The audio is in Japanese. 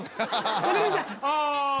わかりました。